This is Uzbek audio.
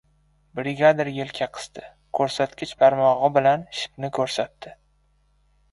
Brigadir yelka qisdi. Ko‘rsatkich barmog‘i bilan shipni ko‘rsatdi.